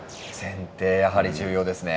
やはり重要ですね。